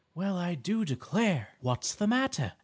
"Well, I do declare!" "What's the matter?"